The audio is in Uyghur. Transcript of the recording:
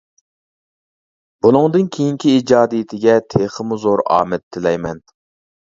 بۇنىڭدىن كېيىنكى ئىجادىيىتىگە تېخىمۇ زور ئامەت تىلەيمەن.